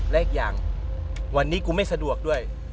และอีกอย่างวันนี้กูไม่สะดวกด้วย